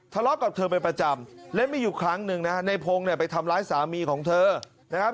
ทะเลาะกับเธอเป็นประจำและมีอยู่ครั้งหนึ่งนะในพงศ์เนี่ยไปทำร้ายสามีของเธอนะครับ